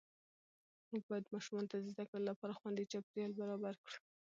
موږ باید ماشومانو ته د زده کړې لپاره خوندي چاپېریال برابر کړو